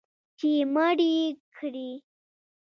چې مړ یې کړي